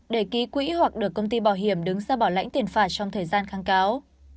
để ký quỹ hoặc được công ty bảo hiểm đứng ra bảo lãnh tiền phạt trong thời gian kháng cáo